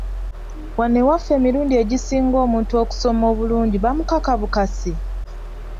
Wano ewaffe emirundi egisinga omuntu okusoma obulungi bamukaka bukasi!